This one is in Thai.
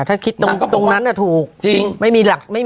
ถ้าคิดงงตรงนั้นมันถูก